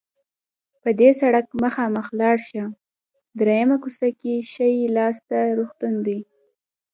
په دې سړک مخامخ لاړ شه، دریمه کوڅه کې ښي لاس ته روغتون ده.